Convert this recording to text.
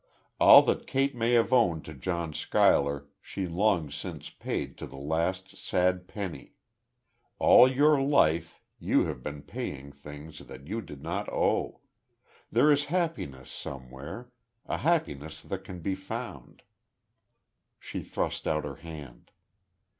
All that Kate may have owed to John Schuyler, she long since paid to the last sad penny.... All your life you have been paying the things that you did not owe.... There is happiness, somewhere; a happiness that can be found." She thrust out her hand.